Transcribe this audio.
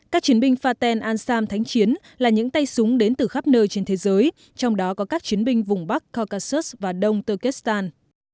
các chiến binh faten ansam thánh chiến là những tay súng đến từ khắp nơi trên thế giới trong đó có các chiến binh vùng bắc kokasus và đông takistan